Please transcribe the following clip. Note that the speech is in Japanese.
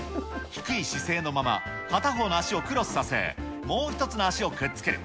低い姿勢のまま、片方の足をクロスさせ、もう１つの足をくっつける。